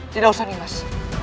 tidak usah nih mas